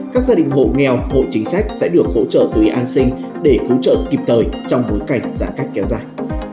các gia đình hộ nghèo hộ chính sách sẽ được hỗ trợ tùy an sinh để cứu trợ kịp thời trong bối cảnh giãn cách kéo dài